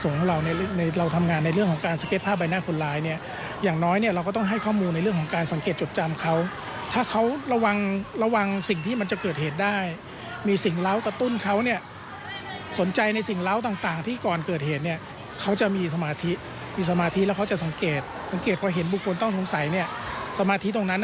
ไม่มีสมาธิหรือก็ไม่รู้มาก่อนเลยว่าคนร้ายเป็นใคร